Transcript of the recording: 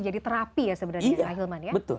jadi terapi ya sebenarnya pak hilman